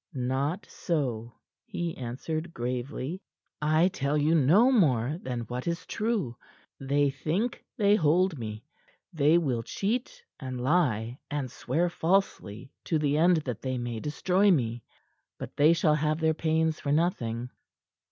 "Not so," he answered gravely. "I tell you no more than what is true. They think they hold me. They will cheat, and lie and swear falsely to the end that they may destroy me. But they shall have their pains for nothing."